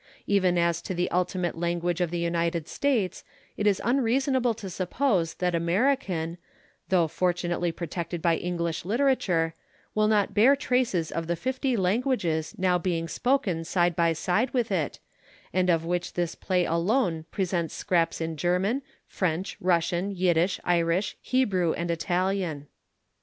Even as to the ultimate language of the United States, it is unreasonable to suppose that American, though fortunately protected by English literature, will not bear traces of the fifty languages now being spoken side by side with it, and of which this play alone presents scraps in German, French, Russian, Yiddish, Irish, Hebrew, and Italian.